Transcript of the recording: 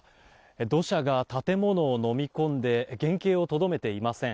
土砂が建物をのみ込んで原形をとどめていません。